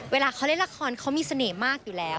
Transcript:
เวลาเขาเล่นละครเขามีเสน่ห์มากอยู่แล้ว